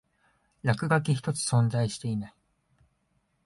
落書き一つ存在していない